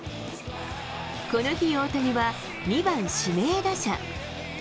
この日、大谷は２番指名打者。